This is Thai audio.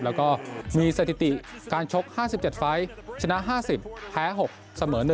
แล้วก็มีสถิติการชก๕๗ไฟล์ชนะ๕๐แพ้๖เสมอ๑